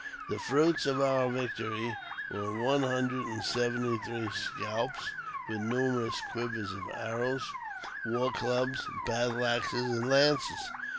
The fruits of our victory were one hundred and seventy three scalps, with numerous quivers of arrows, war clubs, battle axes, and lances.